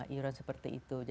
iuran seperti itu